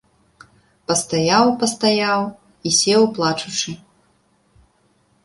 Пастаяў, пастаяў і сеў плачучы.